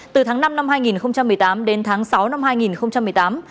từ tháng năm năm hai nghìn một mươi tám đến tháng sáu năm hai nghìn một mươi tám